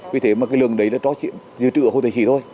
vì thế mà cái lượng đấy là cho xỉ dự trực ở hồ thầy xỉ thôi